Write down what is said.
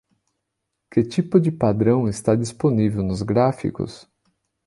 Que tipo de padrão está disponível nos gráficos?